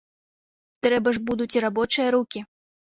Трэба ж будуць і рабочыя рукі.